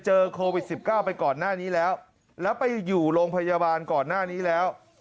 เจอโควิด๑๙ไปก่อนหน้านี้แล้วแล้วไปอยู่โรงพยาบาลก่อนหน้านี้แล้ว